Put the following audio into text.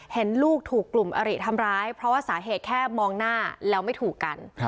เห็นลูกถูกกลุ่มอริทำร้ายเพราะว่าสาเหตุแค่มองหน้าแล้วไม่ถูกกัน